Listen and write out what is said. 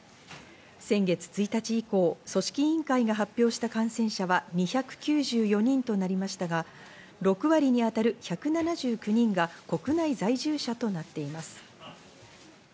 先月１日以降、組織委員会が発表した感染者は２９４人となりましたが、６割に当たる１７９人が国内在住者となっています。